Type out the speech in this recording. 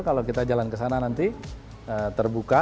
kalau kita jalan ke sana nanti terbuka